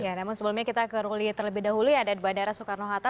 ya namun sebelumnya kita ke ruli terlebih dahulu yang ada di bandara soekarno hatta